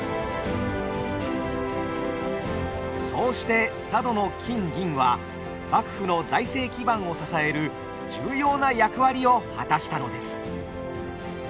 そうして佐渡の金銀は幕府の財政基盤を支える重要な役割を果たしたのです。